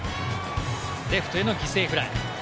レフトへの犠牲フライ。